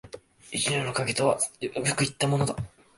一樹の蔭とはよく云ったものだ